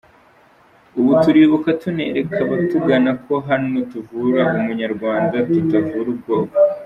Ubu turibuka tunereka abatugana ko hano tuvura Umunyarwanda tutavura ubwoko”.